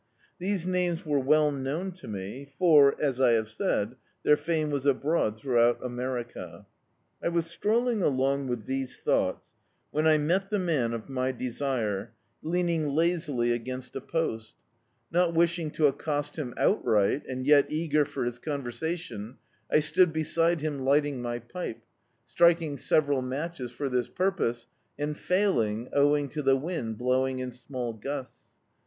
These names were well known to me, for, as I have said, their fame was abroad throu^out America. I was strolling altmg with these thoughts, when I met die man of my desire, leaning lazily against (175) D,i.,.db, Google The Autobiography of a Super Tramp a posL Not wishing to accost him outright, and yet eager for his conversation, I stood beside him lifting my pipe, striking several matches for diis purpose and failing, owing to the wind blowing in small gusts.